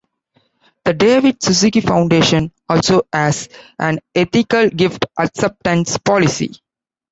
The David Suzuki Foundation also has an Ethical Gift Acceptance policy.